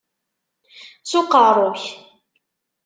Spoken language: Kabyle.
S uqeṛṛu-k!